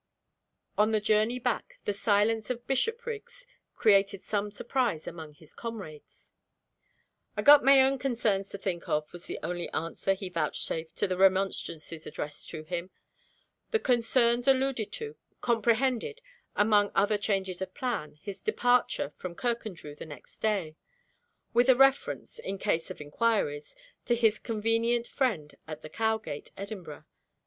On the journey back the silence of Bishopriggs created some surprise among his comrades. "I've got my ain concerns to think of," was the only answer he vouchsafed to the remonstrances addressed to him. The "concerns" alluded to, comprehended, among other changes of plan, his departure from Kirkandrew the next day with a reference, in case of inquiries, to his convenient friend at the Cowgate, Edinburgh.